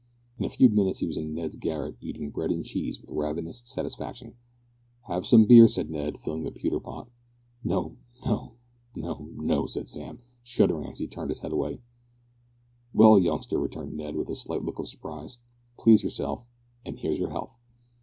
In a few minutes he was in Ned's garret eating bread and cheese with ravenous satisfaction. "Have some beer!" said Ned, filling a pewter pot. "No no no no!" said Sam, shuddering as he turned his head away. "Well, youngster," returned Ned, with a slight look of surprise, "please yourself, and here's your health."